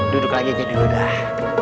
duduk lagi jadi udah